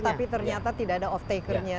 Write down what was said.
tapi ternyata tidak ada off takernya